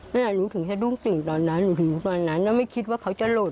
แล้วหน่ารู้ถึงจะดุ้งติ่งตอนนั้นรู้ถึงตอนนั้นแล้วไม่คิดว่าเขาจะหล่น